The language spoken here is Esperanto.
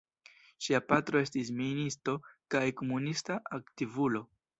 Ŝia patro estis ministo kaj komunista aktivulo.